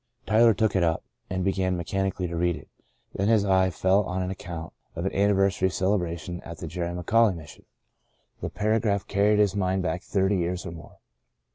Tyler took it up and began mechanically to read it. Then his eye fell on an account of an an niversary celebration at the Jerry McAuley Mission. The paragraph carried his mind back thirty years or more.